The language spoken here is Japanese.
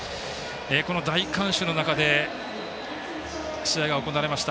この大観衆の中で試合が行われました。